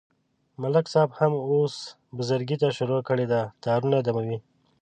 ملک صاحب هم اوس بزرگی ته شروع کړې ده، تارونه دموي.